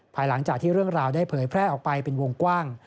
ภายหลังจากที่เรื่องราวได้เผยแพร่ออกไปเป็นวงกว้าง